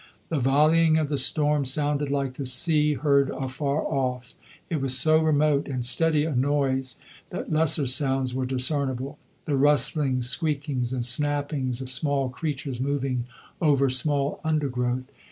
The volleying of the storm sounded like the sea heard afar off: it was so remote and steady a noise that lesser sounds were discernible the rustlings, squeakings, and snappings of small creatures moving over small undergrowth.